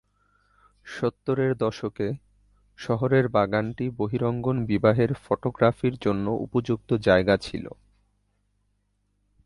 সত্তরের দশকে, শহরের বাগানটি বহিরঙ্গন বিবাহের ফটোগ্রাফির জন্য উপযুক্ত জায়গা ছিল।